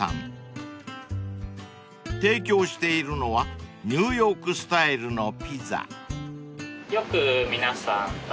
［提供しているのはニューヨークスタイルのピザ］